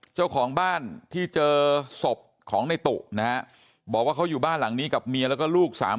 เจ้าของบ้านที่เจอศพของในตุนะฮะบอกว่าเขาอยู่บ้านหลังนี้กับเมียแล้วก็ลูกสาม